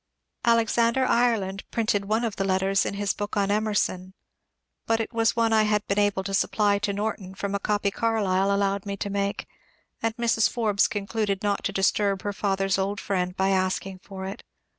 Alexander Ireland printed one of the letters in his book on Emerson, but it was one I had been able to supply to Norton from a copy Carlyle allowed me to make, and Mrs. Forbes concluded not to disturb her father's old friend by asking for it.